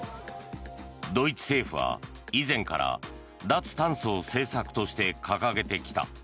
ドイツ政府は以前から脱炭素を政策として掲げてきた。